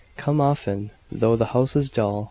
"Come often, though the house is dull.